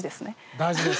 大事です。